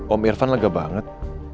om irfan lega banget